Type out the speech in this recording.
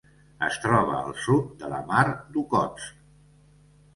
Es troba al sud de la Mar d'Okhotsk.